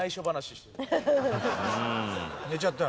寝ちゃった。